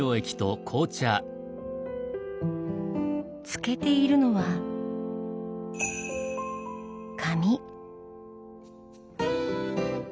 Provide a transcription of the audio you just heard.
つけているのは紙。